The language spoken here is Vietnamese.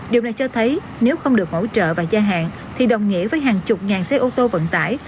điều này cho thấy nếu không được hỗ trợ và gia hạn thì đồng nghĩa với hàng chục ngàn xe ô tô vận tải